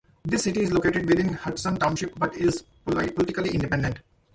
The city is located within Hudson Township, but is politically independent.